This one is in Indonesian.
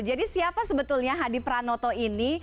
jadi siapa sebetulnya hadi pranoto ini